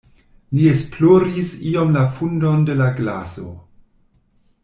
Li esploris iom la fundon de la glaso.